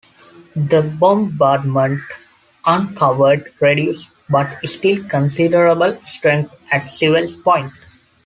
The bombardment uncovered reduced but still considerable strength at Sewells Point.